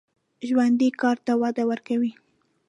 ژوندي کار ته وده ورکوي